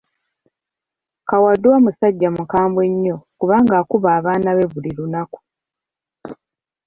Kawadwa musajja mukambwe nnyo kubanga akuba abaana be buli lunaku.